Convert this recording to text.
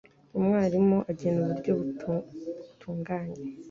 umwarimu agena uburyo butunganye